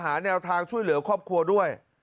แนวทางช่วยเหลือครอบครัวด้วย